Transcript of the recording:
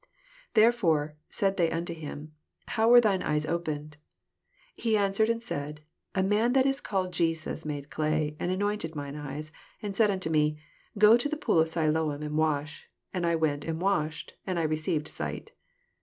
10 Therefore said they unto him, How were thine eyes opened 7 11 He answered and said, A man that is called Jesus made clay, and anointed mine eyes, and said unto me, Go to the pool of Siloam, and wash: and I went and washed, and I received sight.